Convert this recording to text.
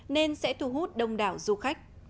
nên sẽ thu hút đông đảo du khách